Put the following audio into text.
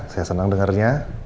saya senang dengarnya